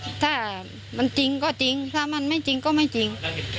ถ้ามันจริงก็จริงถ้ามันไม่จริงก็ไม่จริง